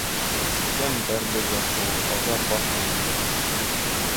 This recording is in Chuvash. Тем тӗрлӗ те шухӑшласа пӑхнӑ ӗнтӗ.